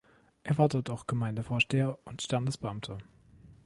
Er war dort auch Gemeindevorsteher und Standesbeamter.